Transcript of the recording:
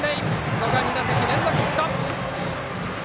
曽我、２打席連続ヒット！